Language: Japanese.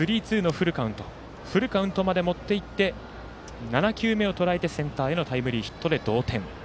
フルカウントまで持っていってセンターへのタイムリーヒットで同点。